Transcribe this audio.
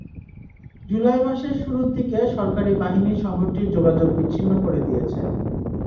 জুলাই মাসের শুরুর দিকে সরকারি বাহিনী শহরটির যোগাযোগ বিচ্ছিন্ন করে দিয়েছে।